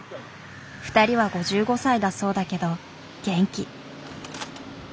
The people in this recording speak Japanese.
２人は５５歳だそうだけど元気。